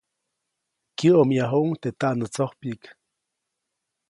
Kyäʼomyajuʼuŋ teʼ taʼnätsojpyiʼk.